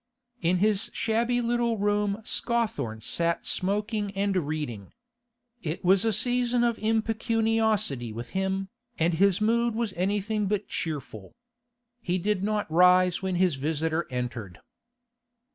In his shabby little room Scawthorne sat smoking and reading. It was a season of impecuniosity with him, and his mood was anything but cheerful. He did not rise when his visitor entered.